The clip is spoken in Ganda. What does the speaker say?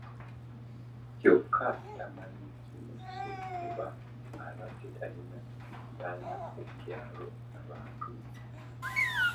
Kyokka tamanyi kimusse kuba abadde talina mpalana ku kyalo na bantu